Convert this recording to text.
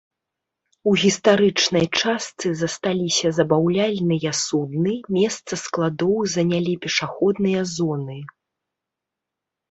У гістарычнай частцы засталіся забаўляльныя судны, месца складоў занялі пешаходныя зоны.